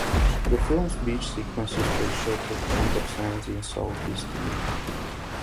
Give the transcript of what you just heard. The film's beach sequences were shot at Camber Sands in south east England.